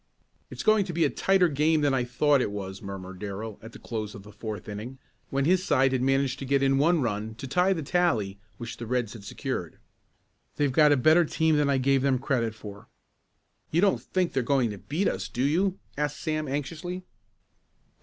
"It's going to be a tighter game than I thought it was," murmured Darrell, at the close of the fourth inning, when his side had managed to get in one run to tie the tally which the Reds had secured. "They've got a better team than I gave them credit for." "You don't think they're going to beat us, do you?" asked Sam anxiously.